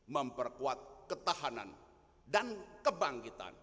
memperkuat ketahanan dan kebangkitan